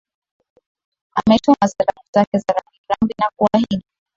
ametuma salamu zake za rambirambi na kuahidi